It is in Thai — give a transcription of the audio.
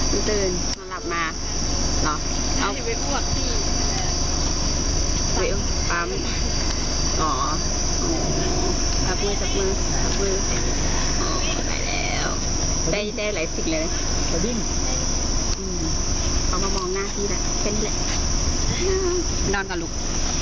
อ๋อหลับมือหลับมือหลับมืออ๋อไปแล้วได้ได้ไลฟ์สติกเลยเอามามองหน้าที่นี่แหละไปนอนก่อนลุก